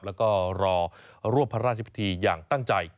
แล้วก็รอร่วมพระราชพิธีอย่างตั้งใจ